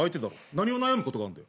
何を悩むことがあんだよ。